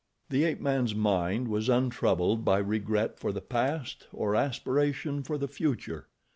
The ape man's mind was untroubled by regret for the past, or aspiration for the future.